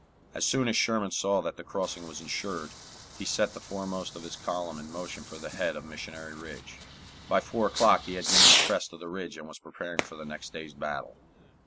As soon as Sherman saw that the crossing was insured, he set the foremost of his column in motion for the head of Missionary Ridge. By four o'clock he had gained the crest of the ridge and was preparing for the next day's battle.